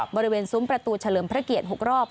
บริเวณซุ้มประตูเฉลิมพระเกียรติ๖รอบ